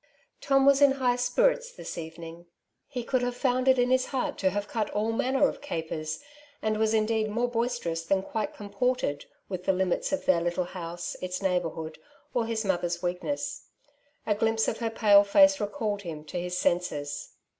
Tom was in high spirits this evening. He could have found it in his heart to have cut all manner of capers, and was indeed more boisterous than quite comported with the limits of their Uttle house, its neighbourhood, or his mother's weakness. A glimpse of her pale face recalled him to. his senses.